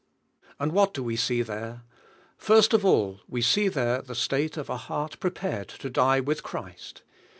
And what do we see there? First of all, we see there the state of a heart prepared to die with Christ.